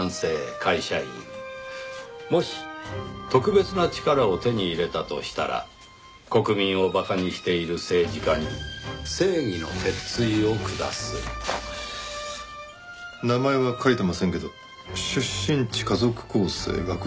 「もし特別な力を手に入れたとしたら国民をバカにしている政治家に正義の鉄槌を下す」名前は書いてませんけど出身地家族構成学歴。